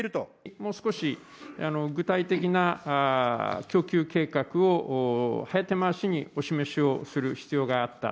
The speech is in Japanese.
もう少し具体的な供給計画を、早手回しにお示しをする必要があった。